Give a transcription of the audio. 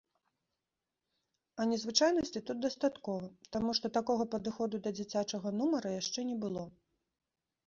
А незвычайнасці тут дастаткова, таму што такога падыходу да дзіцячага нумара яшчэ не было.